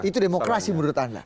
itu demokrasi menurut anda